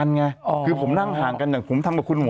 งงไปหมดแล้ว